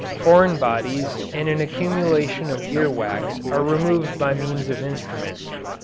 Foreign bodies and an accumulation of ear wax are removed by means of instruments.